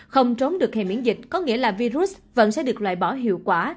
không trốn được hệ miễn dịch có nghĩa là virus vẫn sẽ được loại bỏ hiệu quả